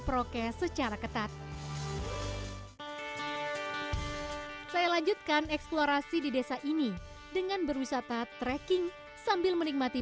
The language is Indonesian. prokes secara ketat saya lanjutkan eksplorasi di desa ini dengan berwisata trekking sambil menikmati